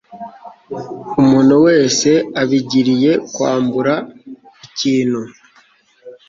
umuntu wese abigiriye kwambura ikintu